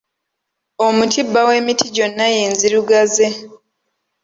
Omuti bba w'emiti gyonna ye nzirugaze.